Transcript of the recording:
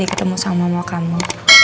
ketemu sama mama kamu